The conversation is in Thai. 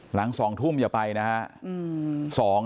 หลัง๒ทุ่มอย่าไปนะฮะ